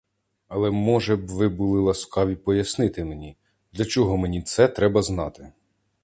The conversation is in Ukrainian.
Але може б ви були ласкаві пояснити мені, для чого мені це треба знати.